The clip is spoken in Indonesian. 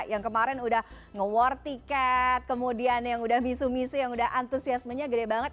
yang kemarin sudah nge war tiket kemudian yang sudah misu misi yang sudah antusiasmenya gede banget